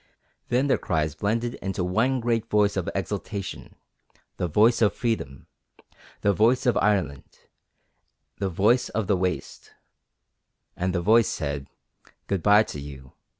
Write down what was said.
Then their cries blended into one great voice of exultation, the voice of freedom, the voice of Ireland, the voice of the Waste; and the voice said 'Goodbye to you.